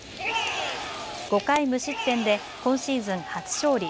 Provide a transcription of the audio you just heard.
５回無失点で今シーズン初勝利。